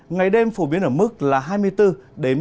ngày đêm phổ biến ở mức là hai mươi bốn ba mươi